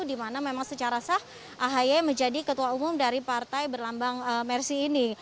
dimana memang secara sah ahaya menjadi ketua umum dari partai berlambang mersi ini